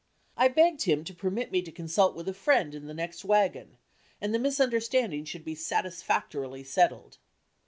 I begged him to permit me to consult with a friend in the next wagon, and the misunderstanding should be satisfactorily settled.